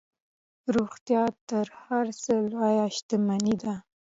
روغتیا تر هر څه لویه شتمني ده.